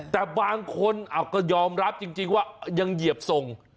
แต่บางคนก็ยอมรับจริงว่ายังเหยียบส่ง